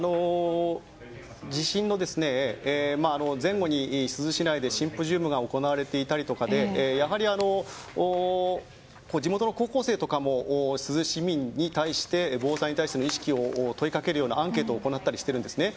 地震の前後に珠洲市内でシンポジウムが行われていたりやはり、地元の高校生とかも珠洲市民に対して防災に対しての意識を問いかけるようなアンケートを行ったりしているんですね。